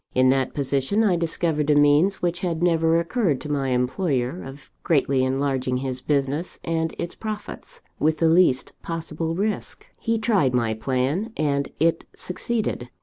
In that position, I discovered a means, which had never occurred to my employer, of greatly enlarging his business and its profits, with the least possible risk. He tried my plan, and it succeeded.